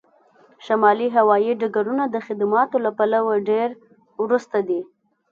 شمالي هوایی ډګرونه د خدماتو له پلوه ډیر وروسته دي